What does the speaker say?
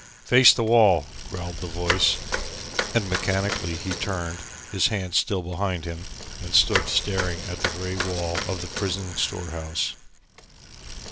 "Face the wall," growled a voice, and mechanically he turned, his hands still behind him, and stood staring at the grey wall of the prison storehouse.